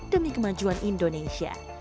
demi kemajuan indonesia